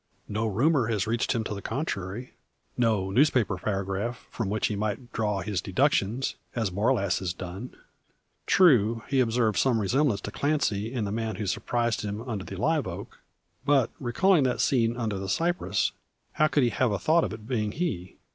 No rumour has reached him to the contrary no newspaper paragraph, from which he might draw his deductions, as Borlasse has done. True, he observed some resemblance to Clancy in the man who surprised him under the live oak; but, recalling that scene under the cypress, how could he have a thought of its being he?